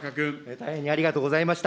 大変にありがとうございました。